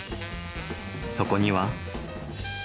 そこには。